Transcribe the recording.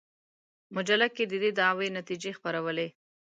مجله کې د دې دعوې نتیجې خپرولې.